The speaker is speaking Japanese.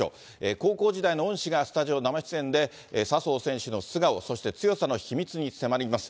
高校時代の恩師がスタジオ生出演で、笹生選手の素顔、そして強さの秘密に迫ります。